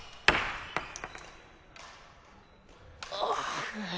ああ。